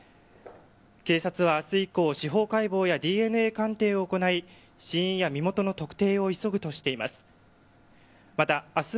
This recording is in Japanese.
警察は明日以降司法解剖やＤＮＡ鑑定を行い死因や身元の特定を急ぐとしています。